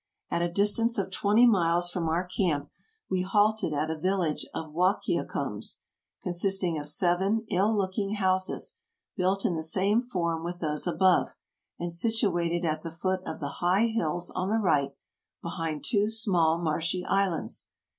At a distance of twenty miles from our camp we halted at a village of Wahkiacums, consisting of seven ill looking houses, built in the same form with those above, and situated at the foot of the high hills on the right, behind two small marshy islands.